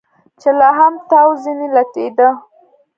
چې لا هم تاو ځنې لټېده.